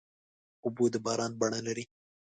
اوبه د باران بڼه لري.